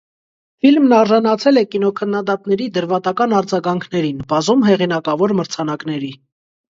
Ֆիլմն արժանացել է կինոքննադատների դրվատական արձագանքներին, բազում հողինակավոր մրցանակների։